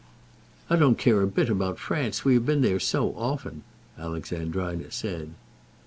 "I don't care a bit about France, we have been there so often," Alexandrina said.